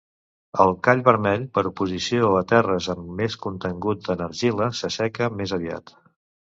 El call vermell, per oposició a terres amb més contengut en argila, s'asseca més aviat.